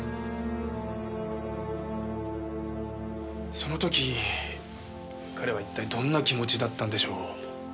その時彼は一体どんな気持ちだったんでしょう。